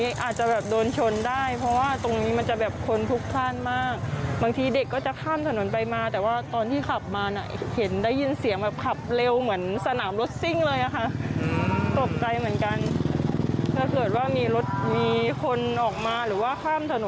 ข่าวให้ท่านดูด้วยนะคะ